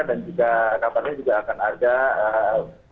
dan juga kabarnya juga akan berjalan